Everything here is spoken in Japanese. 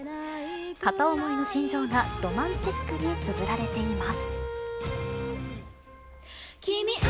片思いの心情がロマンチックにつづられています。